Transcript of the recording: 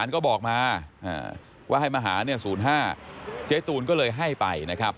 ว่าให้มาหา๐๕เจ๊ตูนก็เลยให้ไปนะครับ